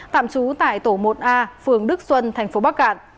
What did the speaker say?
tạm trú tại tổ một a phường đức xuân tp bắc cạn